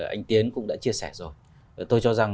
anh tiến cũng đã chia sẻ rồi tôi cho rằng